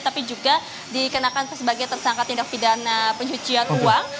tapi juga dikenakan sebagai tersangka tindak pidana pencucian uang